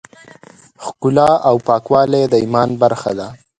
ښکلا او پاکوالی د ایمان برخه ده.